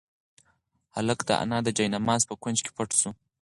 هلک د انا د جاینماز په کونج کې پټ شو.